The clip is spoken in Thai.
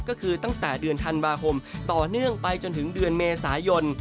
ก็คือตั้งแต่เดือนธันวาคมต่อเนื่องไปจนถึงเดือนเมษายน